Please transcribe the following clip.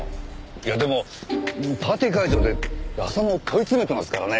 いやでもパーティー会場で浅野を問い詰めてますからね。